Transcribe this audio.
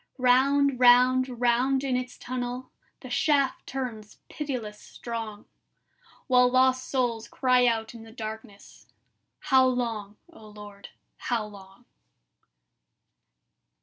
Round, round, round in its tunnel The shaft turns pitiless strong, While lost souls cry out in the darkness: "How long, O Lord, how long?"